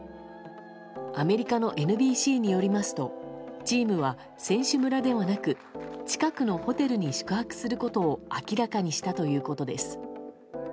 アメリカのＮＢＣによりますとチームは選手村ではなく近くのホテルに宿泊することを明らかにしたということです。